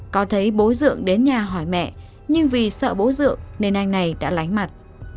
có thấy bố dưỡng đến nhà hỏi mẹ nhưng vì sợ bố dưỡng nên anh này đã lánh mặt